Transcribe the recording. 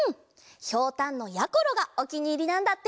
ひょうたんのやころがおきにいりなんだって。